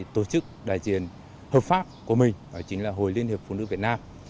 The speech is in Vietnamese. có một tổ chức đại diện hợp pháp của mình đó chính là hội liên hiệp phụ nữ việt nam